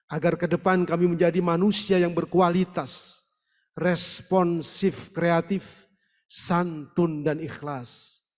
agar ke depan kami menjadi manusia yang berkualitas responsif kreatif santun dan ikhlas